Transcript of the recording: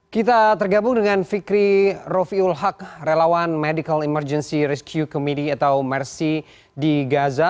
kita tergabung dengan fikri rofiul haq relawan medical emergency rescue committee atau mercy di gaza